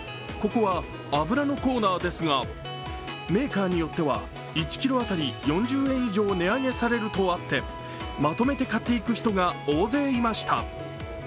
ここは油のコーナーですがメーカーによっては１ｋｇ当たり４０円以上値上げされるとあってまとめて買っていく人が大勢いました。